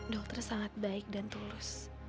dokter sangat baik dan tulus